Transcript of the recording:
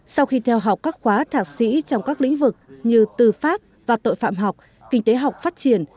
sau khi theo học các khóa thạc sĩ trong các lĩnh vực như tư pháp và tội phạm học kinh tế học phát triển